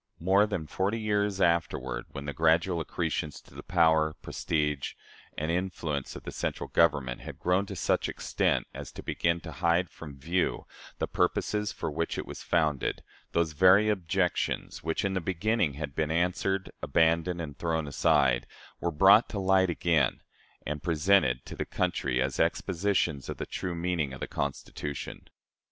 " More than forty years afterward, when the gradual accretions to the power, prestige, and influence of the central Government had grown to such extent as to begin to hide from view the purposes for which it was founded, those very objections, which in the beginning had been answered, abandoned, and thrown aside, were brought to light again, and presented to the country as expositions of the true meaning of the Constitution.